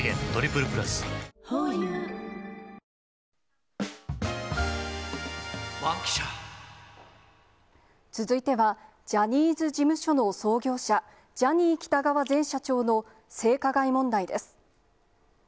ホーユー続いては、ジャニーズ事務所の創業者、ジャニー喜多川前社長の性加害問題です。